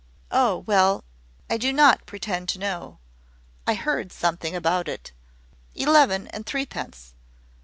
"Oh, well; I do not pretend to know. I heard something about it. Eleven and threepence.